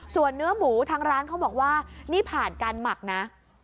ส่วนเนื้อหมูทางร้านเขาบอกว่านี่ผ่านการหมักนะ